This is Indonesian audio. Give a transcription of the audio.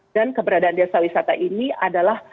dan keberadaan desa wisata ini adalah